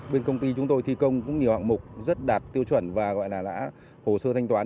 bên công ty chúng tôi thi công cũng nhiều hạng mục rất đạt tiêu chuẩn và gọi là đã hồ sơ thanh toán